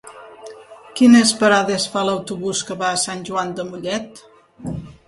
Quines parades fa l'autobús que va a Sant Joan de Mollet?